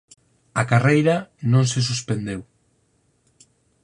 A carreira non se suspendeu.